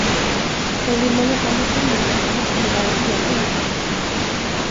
Men vill man jobba med turism måste det vara hela inkomsten.